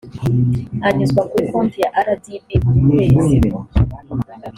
anyuzwa kuri konti ya rdb buri kwezi